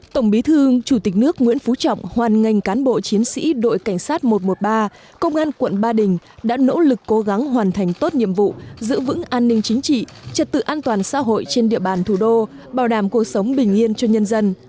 tổng bí thư chủ tịch nước nguyễn phú trọng hoàn ngành cán bộ chiến sĩ đội cảnh sát một trăm một mươi ba công an quận ba đình đã nỗ lực cố gắng hoàn thành tốt nhiệm vụ giữ vững an ninh chính trị trật tự an toàn xã hội trên địa bàn thủ đô bảo đảm cuộc sống bình yên cho nhân dân